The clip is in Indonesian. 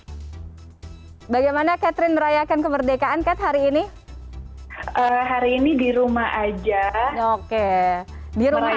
hai bagaimana catherine merayakan kemerdekaan ke hari ini hari ini di rumah aja oke dirumah